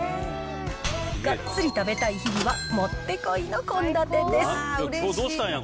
がっつり食べたい日にはもってこいの献立です。